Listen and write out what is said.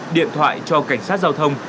điện thoại cho cảnh sát giao thông